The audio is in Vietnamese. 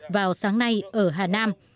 vào sáng nay ở hà nam